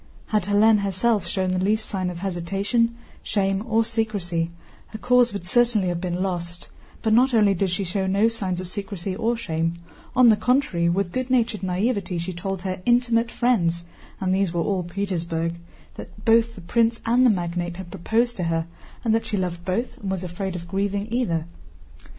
Had Hélène herself shown the least sign of hesitation, shame, or secrecy, her cause would certainly have been lost; but not only did she show no signs of secrecy or shame, on the contrary, with good natured naïveté she told her intimate friends (and these were all Petersburg) that both the prince and the magnate had proposed to her and that she loved both and was afraid of grieving either.